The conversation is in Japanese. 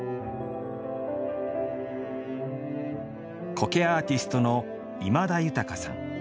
苔アーティストの今田裕さん。